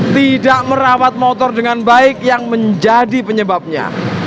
tidak merawat motor dengan baik yang menjadi penyebabnya